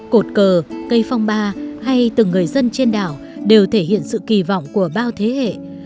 cột cờ cây phong ba hay từng người dân trên đảo đều thể hiện sự kỳ vọng của bao thế hệ